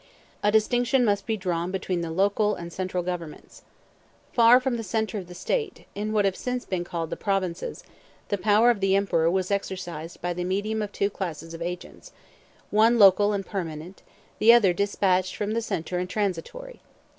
A distinction must be drawn between the local and central governments. Far from the centre of the State, in what have since been called the provinces, the power of the emperor was exercised by the medium of two classes of agents, one local and permanent, the other despatched from the centre and transitory.